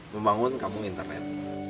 membangun kampung internet